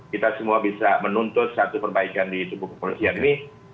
kita semua bisa menuntut satu perbaikan di tubuh kepolisian ini